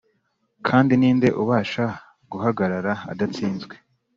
kandi ni nde ubasha guhagarara adatsinzwe?”